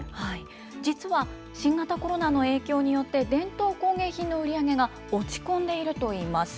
実は、新型コロナの影響によって、伝統工芸品の売り上げが落ち込んでいるといいます。